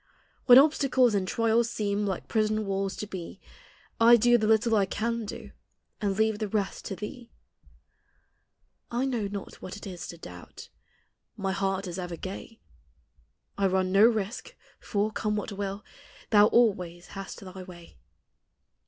37 When obstacles and li inls seem Like prison walls to be, I <ln the lii tie I can do, And leave the resl to thee. 1 know not what it is to doubt, My heart is ever gay ; 1 run no risk, for, come what will, Thou always hast thy way.